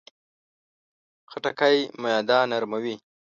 خټکی معده نرموي.